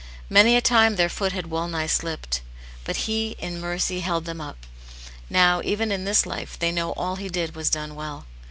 Many a time their foot had well nigh slipped ; but He, in mercy, held them up ; now, even in this life, they know all he did was done well.